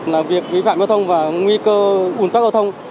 là việc vi phạm giao thông và nguy cơ ủn tắc giao thông